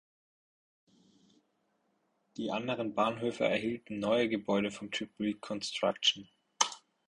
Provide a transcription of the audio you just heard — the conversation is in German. Die anderen Bahnhöfe erhielten neue Gebäude vom Typ „Reconstruction“.